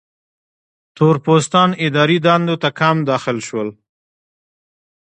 تور پوستان اداري دندو ته کم داخل شول.